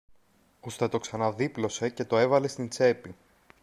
ώστε το ξαναδίπλωσε και το έβαλε στην τσέπη.